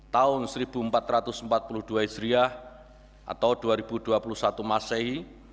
tahun seribu empat ratus empat puluh dua hijriah atau dua ribu dua puluh satu masehi